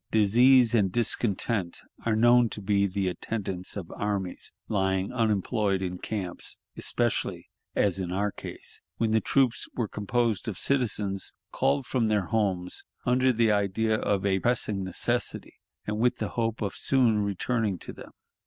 Disease and discontent are known to be the attendants of armies lying unemployed in camps, especially, as in our case, when the troops were composed of citizens called from their homes under the idea of a pressing necessity, and with the hope of soon returning to them.